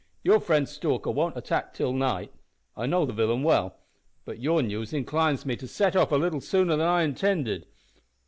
Your friend Stalker won't attack till night I know the villain well but your news inclines me to set off a little sooner than I intended.